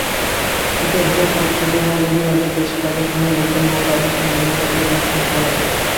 একইভাবে কোর্ট রোডে মৌলভীবাজার প্রেসক্লাবের পাশে লোকজন নোংরা-আবর্জনা এনে ফেলে দিচ্ছেন ছড়ায়।